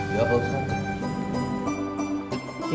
iya pak ustadz